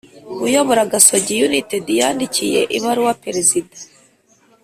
uyobora gasogi united yandikiye ibaruwa perezida